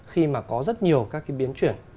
khi mà có rất nhiều các biến chuyển